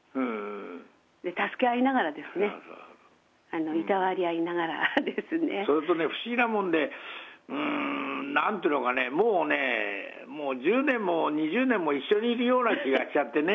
助け合いながらですね、それとね、不思議なもんで、なんていうのかね、もうね、もう１０年も２０年も一緒にいるような気がしちゃってね。